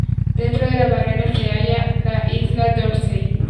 Dentro de la barrera se halla la isla Dorsey.